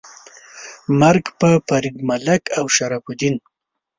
مرګ په فرید ملک او شرف الدین. 🤨